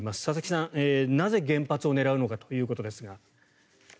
佐々木さん、なぜ原発を狙うのかということですが。